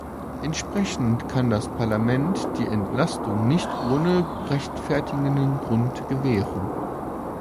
Entsprechend kann das Parlament die Entlastung nicht ohne rechtfertigenden Grund gewähren.